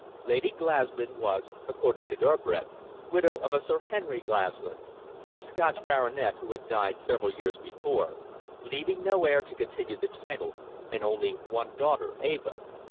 Lady Glaslyn was, according to Debrett, widow of a Sir Henry Glaslyn, a Scotch baronet who had died several years before, leaving no heir to continue the title, and only one daughter, Eva.